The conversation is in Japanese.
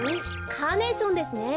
カーネーションですね。